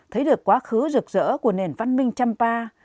thấy được quá khứ rực rỡ của nền văn minh champa